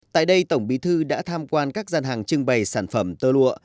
tại đây tổng bí thư đã tham quan các gian hàng trưng bày sản phẩm tơ lụa